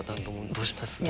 どうします？